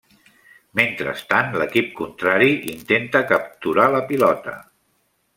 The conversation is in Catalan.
Mentrestant l'equip contrari intenta capturar la pilota.